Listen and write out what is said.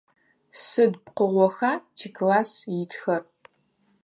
Сыд пкъыгъоха тикласс итхэр?